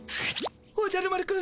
おじゃる丸くん。